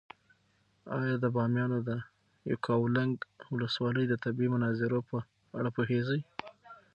ایا د بامیانو د یکاولنګ ولسوالۍ د طبیعي مناظرو په اړه پوهېږې؟